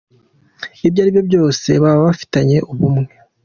Ibyo aribyo byose baba bafitanye ubumwe.